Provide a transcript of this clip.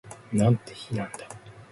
なんて日なんだ